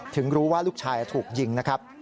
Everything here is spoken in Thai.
ถึงรู้ว่าลูกชายถูกยิงนะครับ